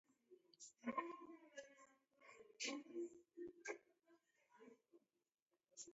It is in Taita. Nedeka naw'eboa ngolonyi